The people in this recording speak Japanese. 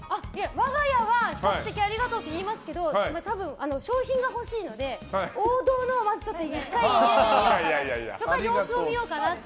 我が家は比較的ありがとうって言いますけど多分、賞品がほしいので王道のをまず１回入れてみようかなと。